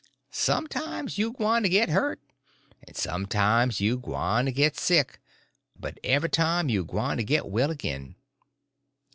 Sometimes you gwyne to git hurt, en sometimes you gwyne to git sick; but every time you's gwyne to git well agin.